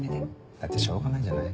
だってしょうがないじゃない。